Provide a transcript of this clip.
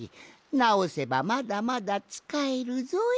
なおせばまだまだつかえるぞい。